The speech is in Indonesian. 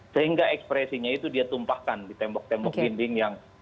sehingga ekspresinya itu dia tumpahkan di tembok tembok dinding yang